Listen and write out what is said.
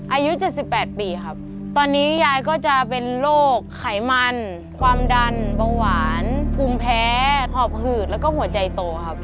อายุ๗๘ปีครับตอนนี้ยายก็จะเป็นโรคไขมันความดันเบาหวานภูมิแพ้หอบหืดแล้วก็หัวใจโตครับ